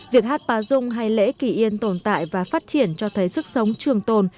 việc hát bá dung hay lễ kỳ yên tồn tại và phát triển cho thấy sức sống trường tồn